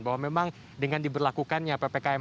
bahwa memang dengan diberlakukannya ppkm